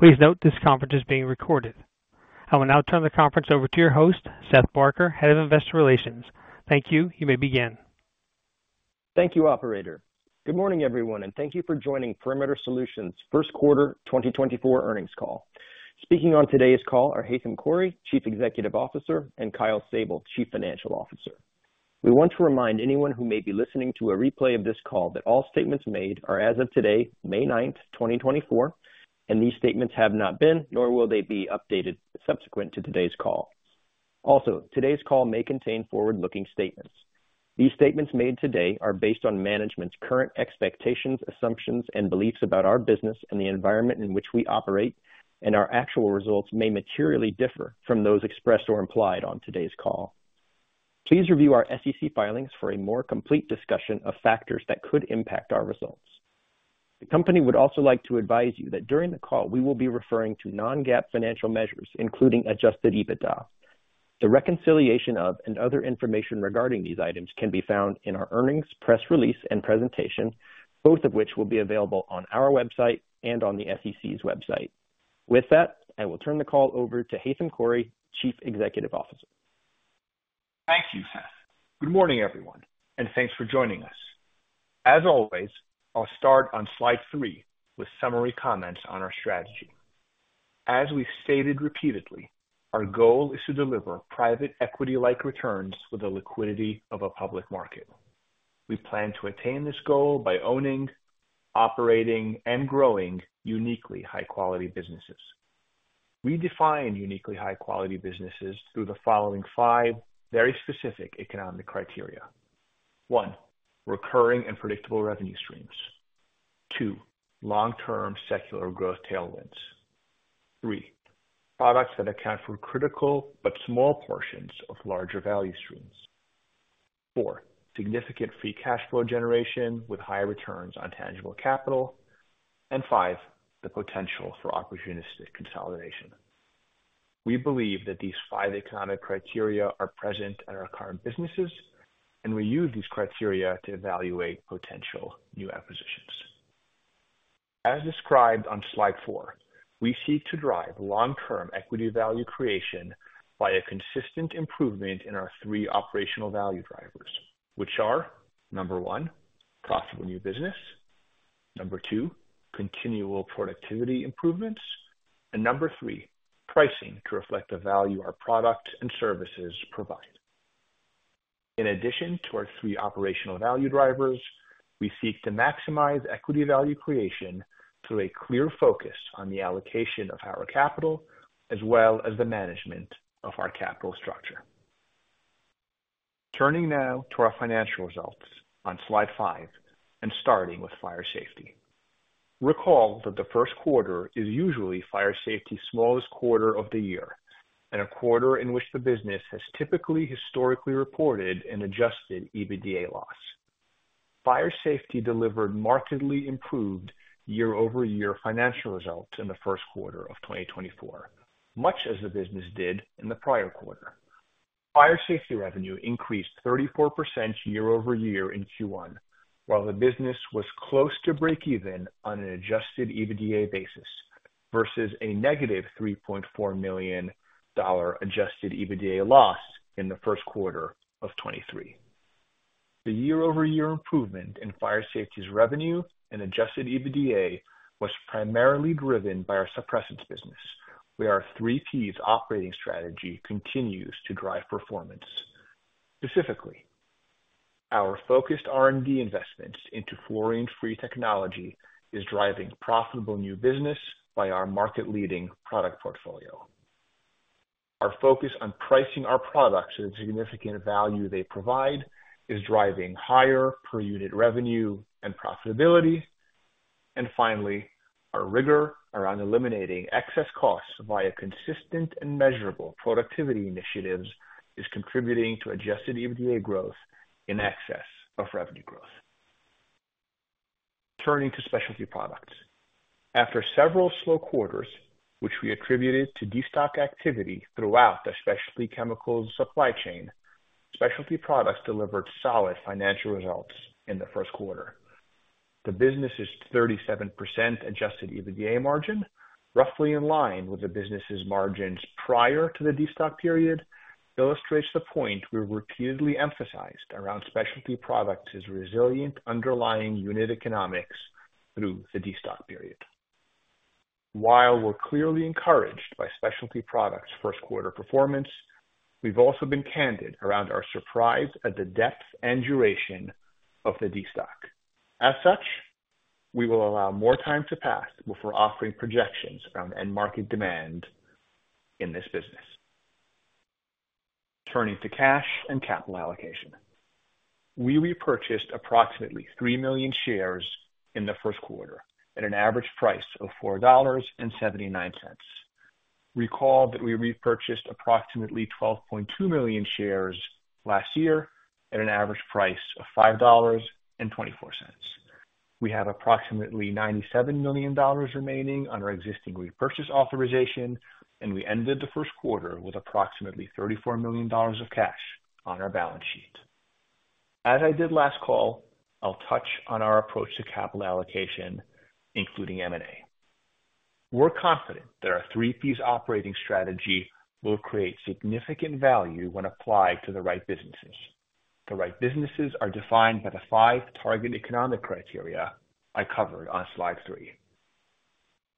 Please note this conference is being recorded. I will now turn the conference over to your host, Seth Barker, Head of Investor Relations. Thank you. You may begin. Thank you, operator. Good morning, everyone, and thank you for joining Perimeter Solutions' First Quarter 2024 Earnings Call. Speaking on today's call are Haitham Khouri, Chief Executive Officer, and Kyle Sable, Chief Financial Officer. We want to remind anyone who may be listening to a replay of this call that all statements made are as of today, May 9th, 2024, and these statements have not been nor will they be updated subsequent to today's call. Also, today's call may contain forward-looking statements. These statements made today are based on management's current expectations, assumptions, and beliefs about our business and the environment in which we operate, and our actual results may materially differ from those expressed or implied on today's call. Please review our SEC filings for a more complete discussion of factors that could impact our results. The company would also like to advise you that during the call we will be referring to non-GAAP financial measures, including adjusted EBITDA. The reconciliation of and other information regarding these items can be found in our earnings press release and presentation, both of which will be available on our website and on the SEC's website. With that, I will turn the call over to Haitham Khouri, Chief Executive Officer. Thank you, Seth. Good morning, everyone, and thanks for joining us. As always, I'll start on Slide 3 with summary comments on our strategy. As we've stated repeatedly, our goal is to deliver private equity-like returns with the liquidity of a public market. We plan to attain this goal by owning, operating, and growing uniquely high-quality businesses. We define uniquely high-quality businesses through the following five very specific economic criteria: 1) recurring and predictable revenue streams; 2) long-term secular growth tailwinds; 3) products that account for critical but small portions of larger value streams; 4) significant free cash flow generation with high returns on tangible capital; and 5) the potential for opportunistic consolidation. We believe that these five economic criteria are present in our current businesses, and we use these criteria to evaluate potential new acquisitions. As described on Slide 4, we seek to drive long-term equity value creation by a consistent improvement in our three operational value drivers, which are: 1) profitable new business; 2) continual productivity improvements; and 3) pricing to reflect the value our product and services provide. In addition to our three operational value drivers, we seek to maximize equity value creation through a clear focus on the allocation of our capital as well as the management of our capital structure. Turning now to our financial results on slide 5 and starting with fire safety. Recall that the first quarter is usually fire safety's smallest quarter of the year and a quarter in which the business has typically historically reported an Adjusted EBITDA loss. Fire safety delivered markedly improved year-over-year financial results in the first quarter of 2024, much as the business did in the prior quarter. Fire safety revenue increased 34% year-over-year in Q1, while the business was close to break-even on an adjusted EBITDA basis versus a negative $3.4 million adjusted EBITDA loss in the first quarter of 2023. The year-over-year improvement in fire safety's revenue and adjusted EBITDA was primarily driven by our suppressants business, where our three P's operating strategy continues to drive performance. Specifically, our focused R&D investments into fluorine-free technology are driving profitable new business by our market-leading product portfolio. Our focus on pricing our products to the significant value they provide is driving higher per unit revenue and profitability. And finally, our rigor around eliminating excess costs via consistent and measurable productivity initiatives is contributing to adjusted EBITDA growth in excess of revenue growth. Turning to specialty products. After several slow quarters, which we attributed to destock activity throughout the specialty chemicals supply chain, Specialty Products delivered solid financial results in the first quarter. The business's 37% Adjusted EBITDA margin, roughly in line with the business's margins prior to the destock period, illustrates the point we repeatedly emphasized around Specialty Products' resilient underlying unit economics through the destock period. While we're clearly encouraged by Specialty Products' first quarter performance, we've also been candid around our surprise at the depth and duration of the destock. As such, we will allow more time to pass before offering projections around end-market demand in this business. Turning to cash and capital allocation. We repurchased approximately 3 million shares in the first quarter at an average price of $4.79. Recall that we repurchased approximately 12.2 million shares last year at an average price of $5.24. We have approximately $97 million remaining under existing repurchase authorization, and we ended the first quarter with approximately $34 million of cash on our balance sheet. As I did last call, I'll touch on our approach to capital allocation, including M&A. We're confident that our Three P's operating strategy will create significant value when applied to the right businesses. The right businesses are defined by the five target economic criteria I covered on Slide 4.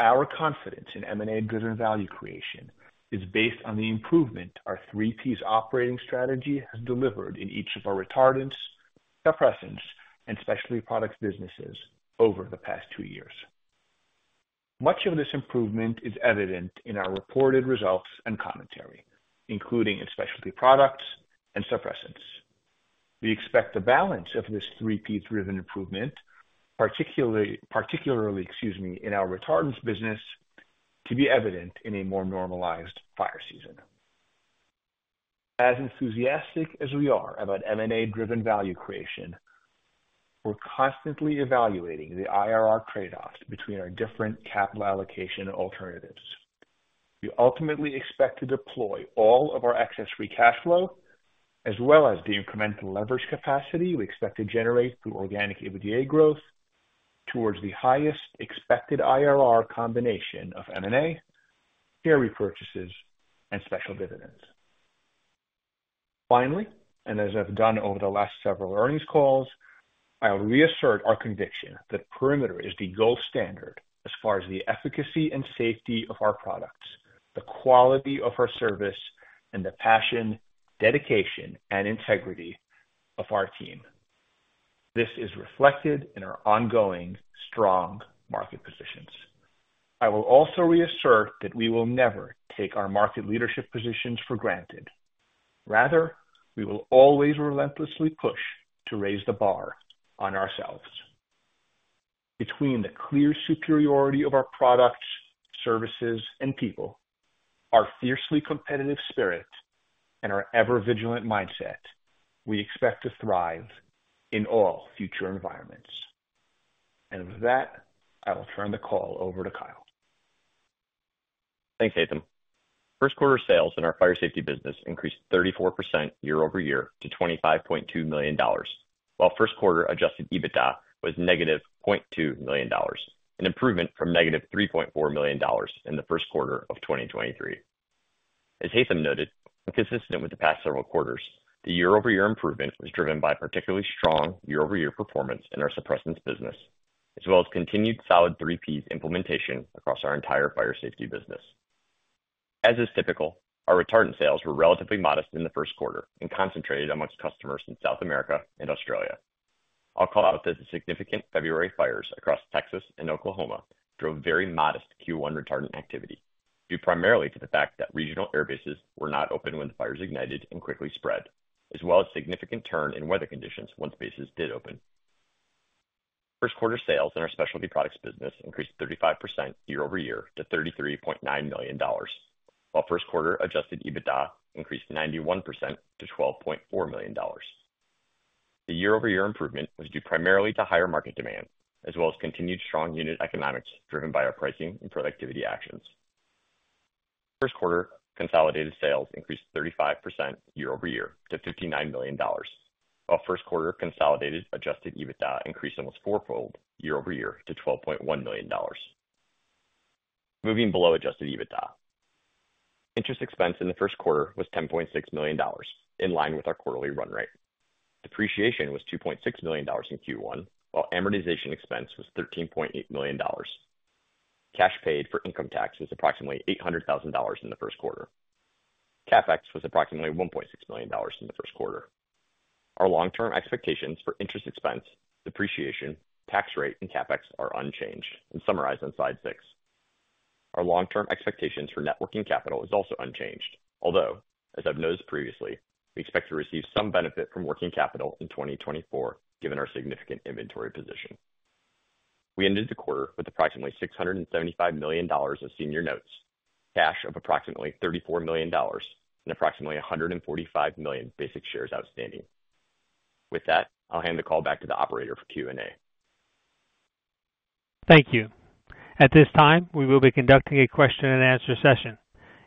Our confidence in M&A-driven value creation is based on the improvement our Three P's operating strategy has delivered in each of our retardants, suppressants, and Specialty Products businesses over the past two years. Much of this improvement is evident in our reported results and commentary, including in Specialty Products and suppressants. We expect the balance of this Three P's driven improvement, particularly, excuse me, in our retardants business to be evident in a more normalized fire season. As enthusiastic as we are about M&A-driven value creation, we're constantly evaluating the IRR trade-offs between our different capital allocation alternatives. We ultimately expect to deploy all of our excess free cash flow, as well as the incremental leverage capacity we expect to generate through organic EBITDA growth, towards the highest expected IRR combination of M&A, share repurchases, and special dividends. Finally, and as I've done over the last several earnings calls, I'll reassert our conviction that Perimeter is the gold standard as far as the efficacy and safety of our products, the quality of our service, and the passion, dedication, and integrity of our team. This is reflected in our ongoing strong market positions. I will also reassert that we will never take our market leadership positions for granted. Rather, we will always relentlessly push to raise the bar on ourselves. Between the clear superiority of our products, services, and people, our fiercely competitive spirit, and our ever-vigilant mindset, we expect to thrive in all future environments. With that, I will turn the call over to Kyle. Thanks, Haitham. First quarter sales in our fire safety business increased 34% year-over-year to $25.2 million, while first quarter adjusted EBITDA was -$0.2 million, an improvement from -$3.4 million in the first quarter of 2023. As Haitham noted, consistent with the past several quarters, the year-over-year improvement was driven by particularly strong year-over-year performance in our suppressants business, as well as continued solid three P's implementation across our entire fire safety business. As is typical, our retardant sales were relatively modest in the first quarter and concentrated amongst customers in South America and Australia. I'll call out that the significant February fires across Texas and Oklahoma drove very modest Q1 retardant activity due primarily to the fact that regional air bases were not open when the fires ignited and quickly spread, as well as significant turn in weather conditions once bases did open. First quarter sales in our Specialty Products business increased 35% year-over-year to $33.9 million, while first quarter Adjusted EBITDA increased 91% to $12.4 million. The year-over-year improvement was due primarily to higher market demand, as well as continued strong unit economics driven by our pricing and productivity actions. First quarter consolidated sales increased 35% year-over-year to $59 million, while first quarter consolidated Adjusted EBITDA increased almost fourfold year-over-year to $12.1 million. Moving below Adjusted EBITDA. Interest expense in the first quarter was $10.6 million, in line with our quarterly run rate. Depreciation was $2.6 million in Q1, while amortization expense was $13.8 million. Cash paid for income tax was approximately $800,000 in the first quarter. CapEx was approximately $1.6 million in the first quarter. Our long-term expectations for interest expense, depreciation, tax rate, and CapEx are unchanged and summarized on Slide 6. Our long-term expectations for net working capital are also unchanged, although, as I've noted previously, we expect to receive some benefit from working capital in 2024 given our significant inventory position. We ended the quarter with approximately $675 million of senior notes, cash of approximately $34 million, and approximately 145 million basic shares outstanding. With that, I'll hand the call back to the operator for Q&A. Thank you. At this time, we will be conducting a question-and-answer session.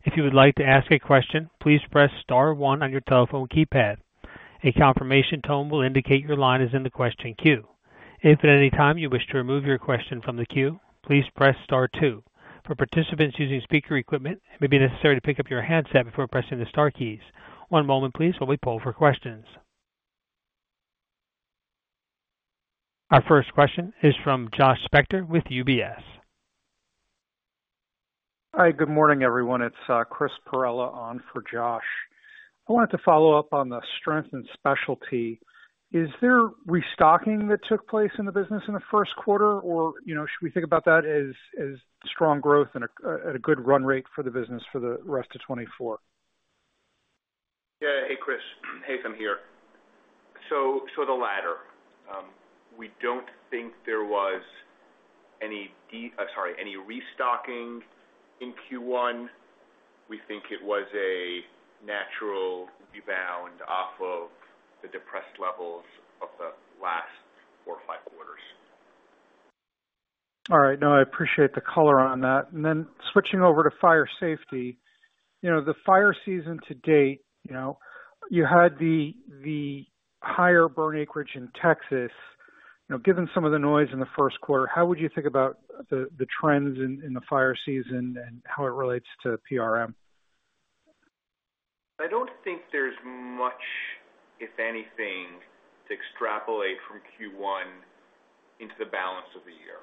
If you would like to ask a question, please press star 1 on your telephone keypad. A confirmation tone will indicate your line is in the question queue. If at any time you wish to remove your question from the queue, please press star two. For participants using speaker equipment, it may be necessary to pick up your handset before pressing the star keys. One moment, please, while we pull for questions. Our first question is from Josh Spector with UBS. Hi. Good morning, everyone. It's Chris Perrella on for Josh. I wanted to follow up on the strength and specialty. Is there restocking that took place in the business in the first quarter, or should we think about that as strong growth and a good run rate for the business for the rest of 2024? Yeah. Hey, Chris. Haitham here. So the latter. We don't think there was any, sorry, any restocking in Q1. We think it was a natural rebound off of the depressed levels of the last four or five quarters. All right. No, I appreciate the color on that. And then switching over to fire safety, the fire season to date, you had the higher burn acreage in Texas. Given some of the noise in the first quarter, how would you think about the trends in the fire season and how it relates to PRM? I don't think there's much, if anything, to extrapolate from Q1 into the balance of the year.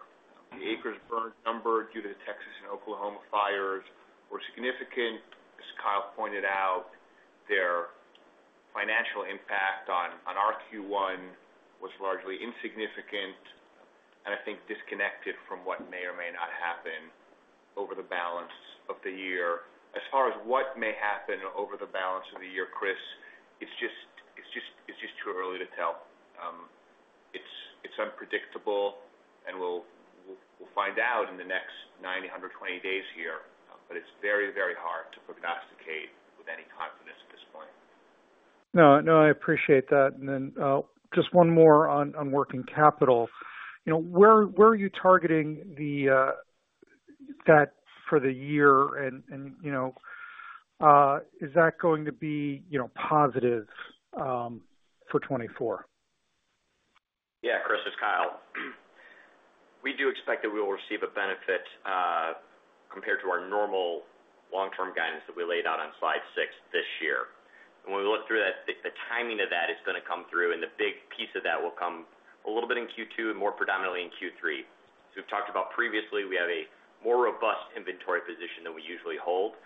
The acres burned numbered due to the Texas and Oklahoma fires were significant. As Kyle pointed out, their financial impact on our Q1 was largely insignificant and I think disconnected from what may or may not happen over the balance of the year. As far as what may happen over the balance of the year, Chris, it's just too early to tell. It's unpredictable and we'll find out in the next 90, 120 days here, but it's very, very hard to prognosticate with any confidence at this point. No, no, I appreciate that. And then just one more on working capital. Where are you targeting that for the year? And is that going to be positive for 2024? Yeah, Chris. As Kyle, we do expect that we will receive a benefit compared to our normal long-term guidance that we laid out on slide 6 this year. When we look through that, the timing of that is going to come through, and the big piece of that will come a little bit in Q2 and more predominantly in Q3. As we've talked about previously, we have a more robust inventory position than we usually hold.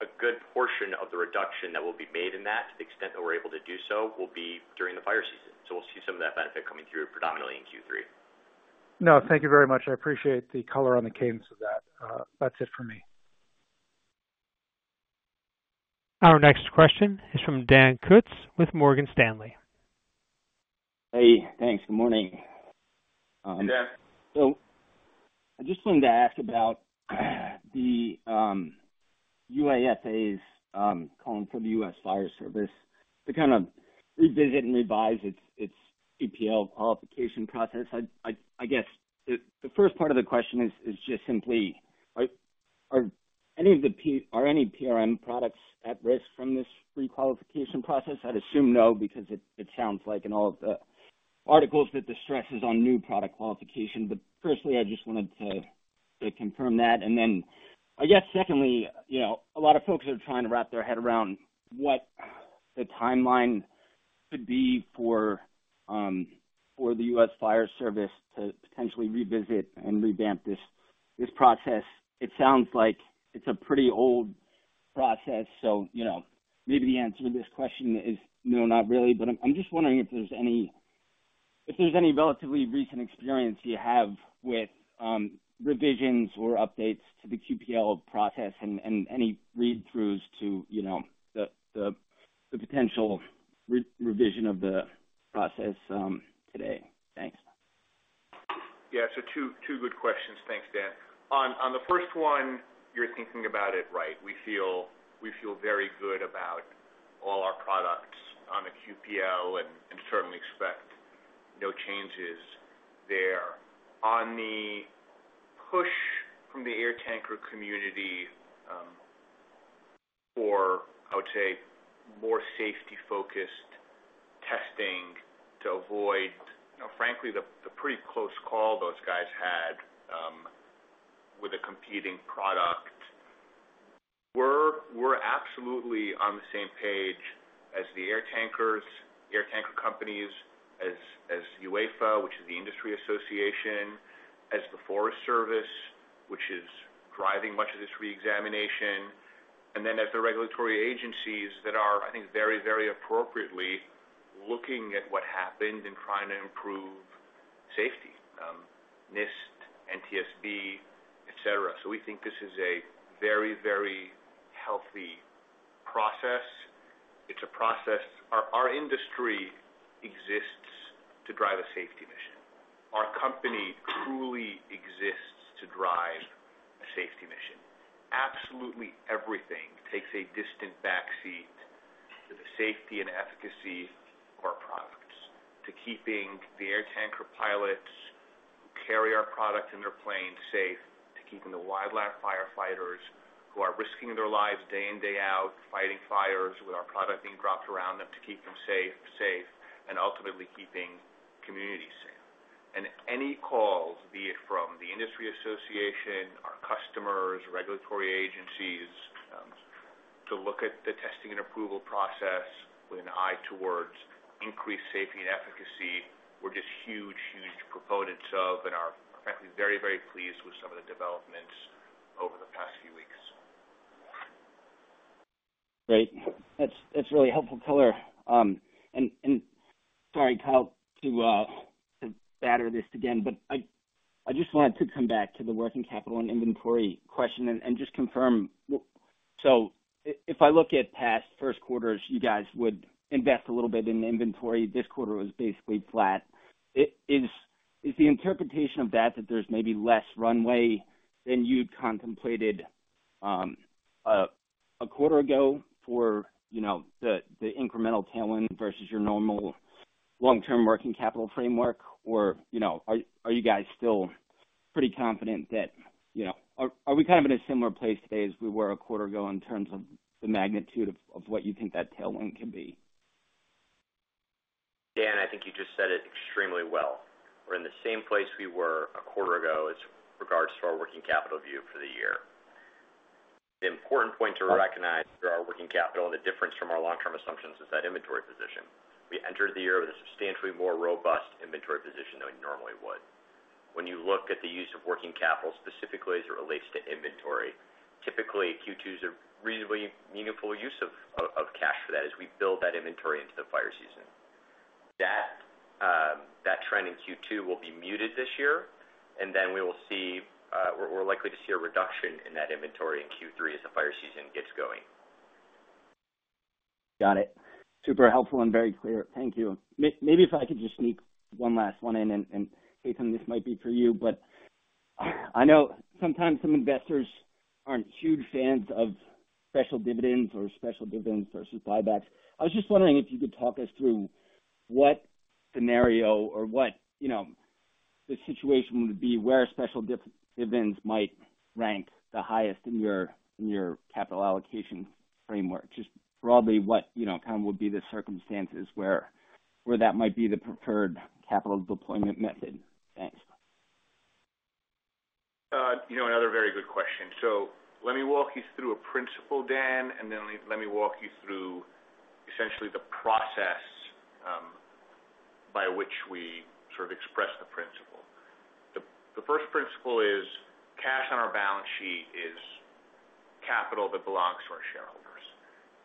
A good portion of the reduction that will be made in that, to the extent that we're able to do so, will be during the fire season. We'll see some of that benefit coming through predominantly in Q3. No, thank you very much. I appreciate the color on the cadence of that. That's it for me. Our next question is from Dan Kutz with Morgan Stanley. Hey. Thanks. Good morning. Hey, Dan. So I just wanted to ask about the UAFA's calling for the U.S. Forest Service to kind of revisit and revise its QPL qualification process. I guess the first part of the question is just simply, are any PRM products at risk from this requalification process? I'd assume no because it sounds like in all of the articles that the stress is on new product qualification. But firstly, I just wanted to confirm that. And then I guess secondly, a lot of folks are trying to wrap their head around what the timeline could be for the US Forest Service to potentially revisit and revamp this process. It sounds like it's a pretty old process. So maybe the answer to this question is no, not really. I'm just wondering if there's any relatively recent experience you have with revisions or updates to the QPL process and any read-throughs to the potential revision of the process today. Thanks. Yeah. So two good questions. Thanks, Dan. On the first one, you're thinking about it right. We feel very good about all our products on the QPL and certainly expect no changes there. On the push from the air tanker community for, I would say, more safety-focused testing to avoid, frankly, the pretty close call those guys had with a competing product, we're absolutely on the same page as the air tankers, air tanker companies, as UAFA, which is the industry association, as the Forest Service, which is driving much of this reexamination, and then as the regulatory agencies that are, I think, very, very appropriately looking at what happened and trying to improve safety: NIST, NTSB, etc. So we think this is a very, very healthy process. It's a process. Our industry exists to drive a safety mission. Our company truly exists to drive a safety mission. Absolutely everything takes a distant backseat to the safety and efficacy of our products, to keeping the air tanker pilots who carry our product in their planes safe, to keeping the wildland firefighters who are risking their lives day in, day out fighting fires with our product being dropped around them to keep them safe, safe, and ultimately keeping communities safe. Any calls, be it from the industry association, our customers, regulatory agencies, to look at the testing and approval process with an eye towards increased safety and efficacy, we're just huge, huge proponents of and are, frankly, very, very pleased with some of the developments over the past few weeks. Great. That's really helpful color. Sorry, Kyle, to batter this again, but I just wanted to come back to the working capital and inventory question and just confirm. So if I look at past first quarters, you guys would invest a little bit in inventory. This quarter was basically flat. Is the interpretation of that that there's maybe less runway than you'd contemplated a quarter ago for the incremental tailwind versus your normal long-term working capital framework? Or are you guys still pretty confident that are we kind of in a similar place today as we were a quarter ago in terms of the magnitude of what you think that tailwind could be? Dan, I think you just said it extremely well. We're in the same place we were a quarter ago as regards to our working capital view for the year. The important point to recognize for our working capital and the difference from our long-term assumptions is that inventory position. We entered the year with a substantially more robust inventory position than we normally would. When you look at the use of working capital specifically as it relates to inventory, typically, Q2 is a reasonably meaningful use of cash for that as we build that inventory into the fire season. That trend in Q2 will be muted this year, and then we will see, we're likely to see a reduction in that inventory in Q3 as the fire season gets going. Got it. Super helpful and very clear. Thank you. Maybe if I could just sneak one last one in, and Haitham, this might be for you, but I know sometimes some investors aren't huge fans of special dividends or special dividends versus buybacks. I was just wondering if you could talk us through what scenario or what the situation would be where special dividends might rank the highest in your capital allocation framework, just broadly what kind of would be the circumstances where that might be the preferred capital deployment method? Thanks. Another very good question. So let me walk you through a principle, Dan, and then let me walk you through essentially the process by which we sort of express the principle. The first principle is cash on our balance sheet is capital that belongs to our shareholders,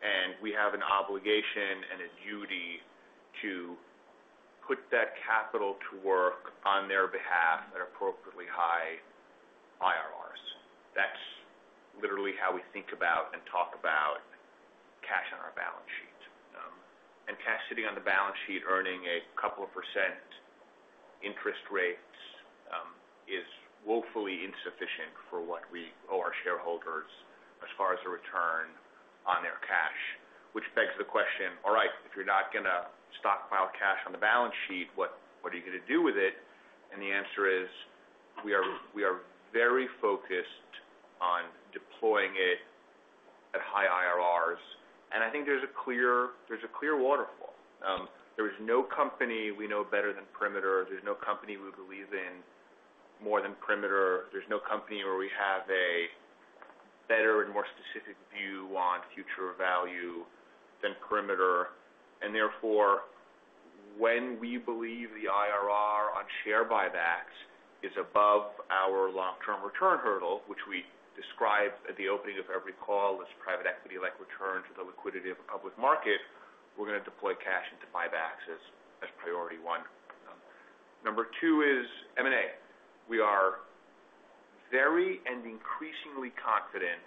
and we have an obligation and a duty to put that capital to work on their behalf at appropriately high IRRs. That's literally how we think about and talk about cash on our balance sheet. And cash sitting on the balance sheet earning a couple of % interest rates is woefully insufficient for what we owe our shareholders as far as a return on their cash, which begs the question, "All right. If you're not going to stockpile cash on the balance sheet, what are you going to do with it?" The answer is we are very focused on deploying it at high IRRs, and I think there's a clear waterfall. There is no company we know better than Perimeter. There's no company we believe in more than Perimeter. There's no company where we have a better and more specific view on future value than Perimeter. And therefore, when we believe the IRR on share buybacks is above our long-term return hurdle, which we describe at the opening of every call as private equity-like returns with a liquidity of the public market, we're going to deploy cash into buybacks as priority one. Number two is M&A. We are very and increasingly confident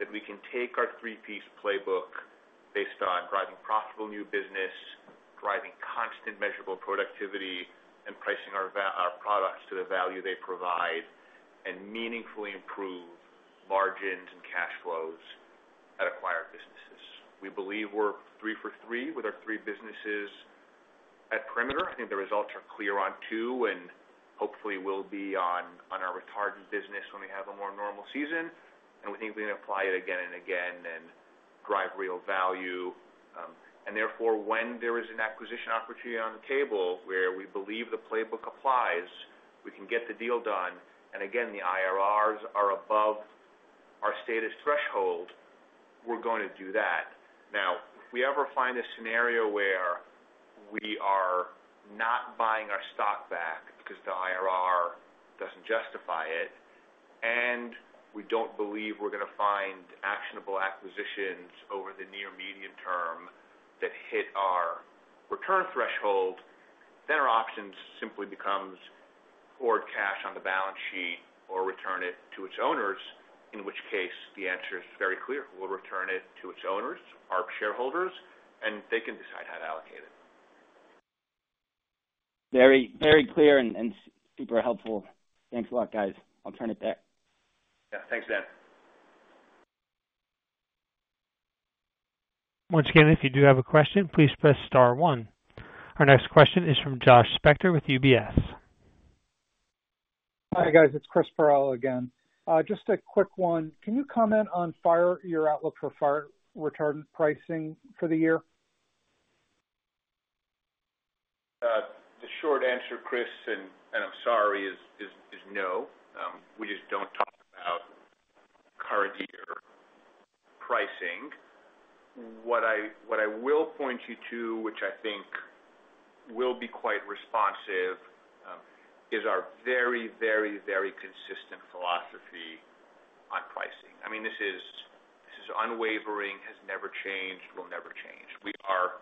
that we can take our three-piece playbook based on driving profitable new business, driving constant measurable productivity, and pricing our products to the value they provide, and meaningfully improve margins and cash flows at acquired businesses. We believe we're three for three with our three businesses at Perimeter. I think the results are clear on two and hopefully will be on our retardant business when we have a more normal season. We think we can apply it again and again and drive real value. Therefore, when there is an acquisition opportunity on the table where we believe the playbook applies, we can get the deal done. Again, the IRRs are above our status threshold. We're going to do that. Now, if we ever find a scenario where we are not buying our stock back because the IRR doesn't justify it, and we don't believe we're going to find actionable acquisitions over the near-medium term that hit our return threshold, then our options simply become hoard cash on the balance sheet or return it to its owners, in which case the answer is very clear. We'll return it to its owners, our shareholders, and they can decide how to allocate it. Very, very clear and super helpful. Thanks a lot, guys. I'll turn it back. Yeah. Thanks, Dan. Once again, if you do have a question, please press star one. Our next question is from Josh Spector with UBS. Hi, guys. It's Chris Perrella again. Just a quick one. Can you comment on your outlook for retardant pricing for the year? The short answer, Chris, and I'm sorry, is no. We just don't talk about current year pricing. What I will point you to, which I think will be quite responsive, is our very, very, very consistent philosophy on pricing. I mean, this is unwavering, has never changed, will never change. We are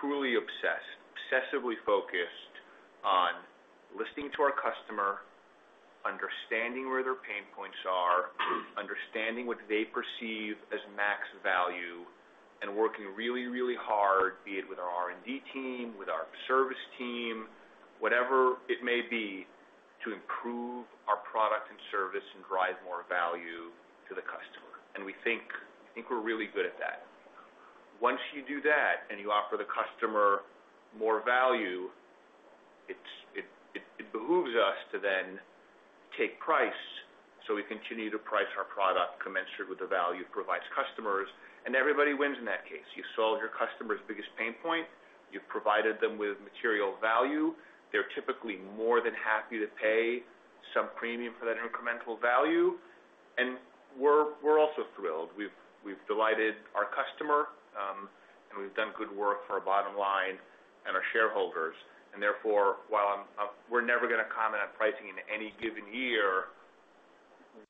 truly obsessed, obsessively focused on listening to our customer, understanding where their pain points are, understanding what they perceive as max value, and working really, really hard, be it with our R&D team, with our service team, whatever it may be, to improve our product and service and drive more value to the customer. We think we're really good at that. Once you do that and you offer the customer more value, it behooves us to then take price so we continue to price our product commensurate with the value it provides customers. Everybody wins in that case. You solve your customer's biggest pain point. You've provided them with material value. They're typically more than happy to pay some premium for that incremental value. We're also thrilled. We've delighted our customer, and we've done good work for our bottom line and our shareholders. Therefore, while we're never going to comment on pricing in any given year,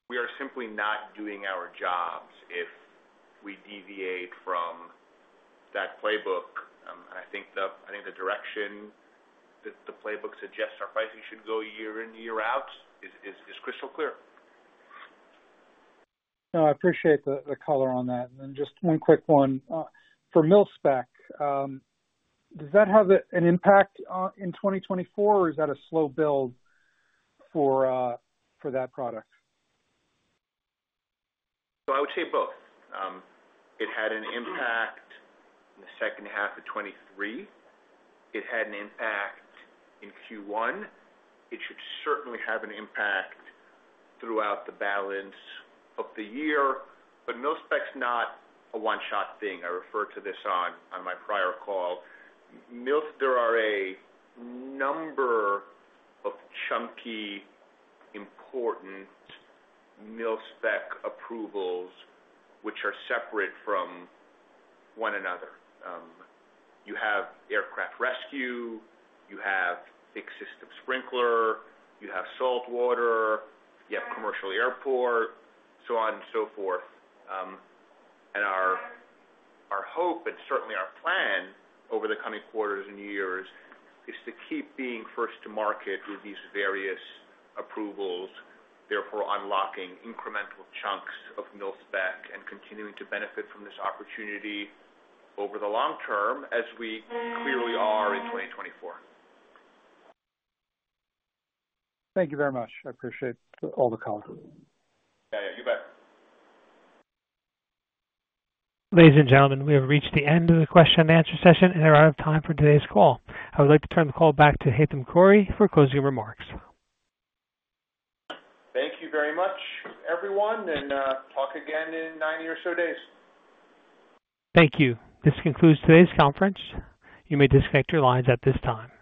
we are simply not doing our jobs if we deviate from that playbook. I think the direction that the playbook suggests our pricing should go year in, year out is crystal clear. No, I appreciate the color on that. And then just one quick one. For Mil-Spec, does that have an impact in 2024, or is that a slow build for that product? So I would say both. It had an impact in the second half of 2023. It had an impact in Q1. It should certainly have an impact throughout the balance of the year. But Mil-Spec's not a one-shot thing. I referred to this on my prior call. There are a number of chunky, important Mil-Spec approvals which are separate from one another. You have aircraft rescue. You have fixed system sprinkler. You have salt water. You have commercial airport, so on and so forth. And our hope and certainly our plan over the coming quarters and years is to keep being first to market with these various approvals, therefore unlocking incremental chunks of Mil-Spec and continuing to benefit from this opportunity over the long term as we clearly are in 2024. Thank you very much. I appreciate all the color. Yeah, yeah. You bet. Ladies and gentlemen, we have reached the end of the question-and-answer session, and there are enough time for today's call. I would like to turn the call back to Haitham Khouri for closing remarks. Thank you very much, everyone, and talk again in 90 years or so days. Thank you. This concludes today's conference. You may disconnect your lines at this time.